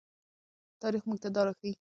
تاریخ موږ ته راښيي چې عدالت تل بریا مومي.